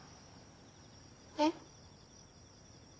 えっ？